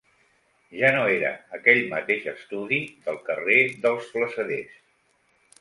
Ja no era aquell mateix estudi del carrer dels Flassaders.